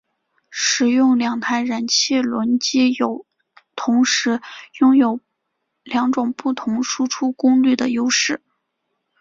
使用两台燃气轮机有同时拥有两种不同输出功率的优势。